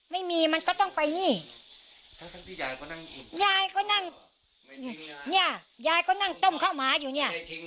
ไม่มีมันก็ต้องไปนี่ยายก็นั่งต้มเข้ามาอยู่เนี่ย